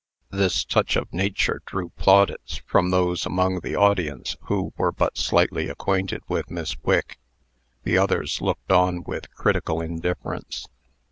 This touch of nature drew plaudits from those among the audience who were but slightly acquainted with Miss Wick. The others looked on with critical indifference.